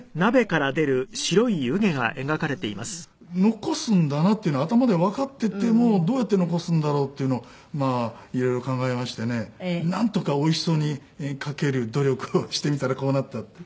残すんだなっていうのは頭でわかっててもどうやって残すんだろうっていうのを色々考えましてねなんとかおいしそうに描ける努力をしてみたらこうなったっていう。